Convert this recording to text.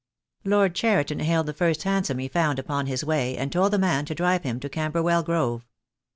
Lord Cheriton hailed the first hansom he found upon his way, and told the man to drive him to Camberwell Grove.